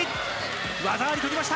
技ありとりました！